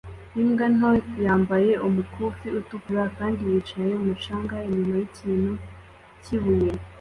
Imbwa nto yambaye umukufi utukura kandi yicaye mu mucanga inyuma yikintu kibuye